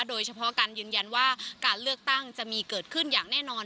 โดยเฉพาะการยืนยันว่าการเลือกตั้งจะมีเกิดขึ้นอย่างแน่นอน